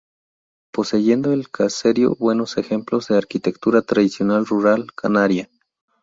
Poseyendo el caserío buenos ejemplos de arquitectura tradicional rural canaria.